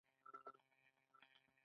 هلته هر څه پیدا کیږي.